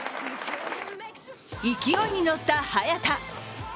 勢いに乗った早田。